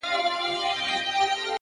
د تمرکز دوام بریا ته لاره هواروي.